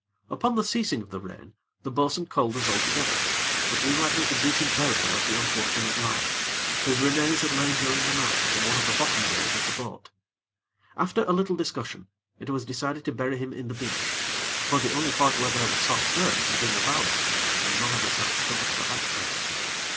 Upon the ceasing of the rain, the bo'sun called us all together, that we might make a decent burial of the unfortunate lad, whose remains had lain during the night upon one of the bottom boards of the boat. After a little discussion, it was decided to bury him in the beach; for the only part where there was soft earth was in the valley, and none of us had a stomach for that place.